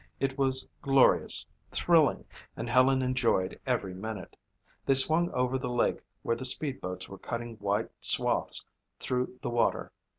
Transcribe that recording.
It was glorious, thrilling, and Helen enjoyed every minute. They swung over the lake where the speedboats were cutting white swaths through the water.